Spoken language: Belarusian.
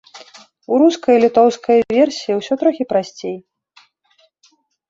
У рускай і літоўскай версіі ўсё трохі прасцей.